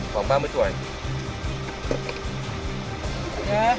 vâng vâng em xin lỗi anh